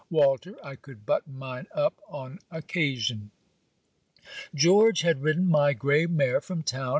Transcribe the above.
Walter, I could button mine up on occasion. George had ridden my grey mare from town.